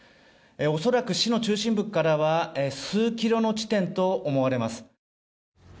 恐らく市の中心部からは数キロの地点と思われます。